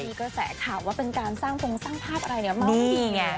แต่หลังแต่ก็แสดงว่าเป็นการสร้างโพงสร้างภาพอะไรให้มาก